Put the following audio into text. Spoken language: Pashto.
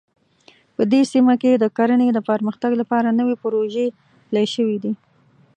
په دې سیمه کې د کرنې د پرمختګ لپاره نوې پروژې پلې شوې دي